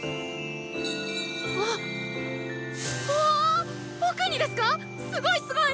わっわぁあ僕にですか⁉すごいすごい！